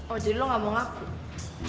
oh jadi lo gak mau ngaku